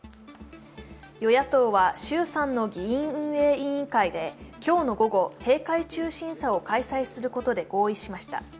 与野党は衆参の議院運営委員会で今日の午後、閉会中審査を開催することで合意しました。